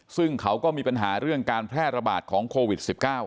ซึ่งเขาก็มีปัญหาเรื่องการแพร่ระบาดของโควิด๑๙